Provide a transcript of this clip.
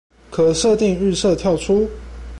可設定預設跳出